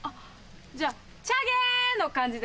じゃあチャゲ！の感じで。